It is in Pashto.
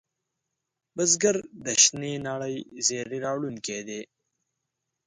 بزګر د شنې نړۍ زېری راوړونکی دی